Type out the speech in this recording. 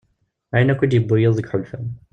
Ayen akk i d-yewwi yiḍ deg yiḥulfan.